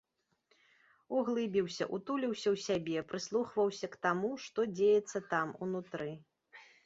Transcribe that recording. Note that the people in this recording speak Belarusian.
Углыбіўся, утуліўся ў сябе, прыслухваўся к таму, што дзеецца там, унутры.